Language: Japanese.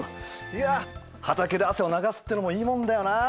いや畑で汗を流すってのもいいもんだよな。